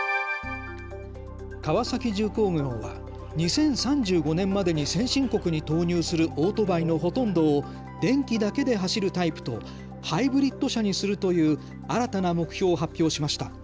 川崎重工業は２０３５年までに先進国に投入するオートバイのほとんどを電気だけで走るタイプとハイブリッド車にするという新たな目標を発表しました。